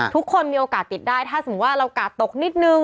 ทุกคนมีโอกาสติดได้ถ้าสมมุติว่าเรากาดตกนิดนึง